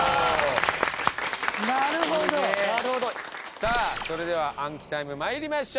さあそれでは暗記タイム参りましょう。